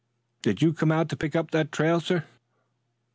"Did you come out to pick up that trail, sir?"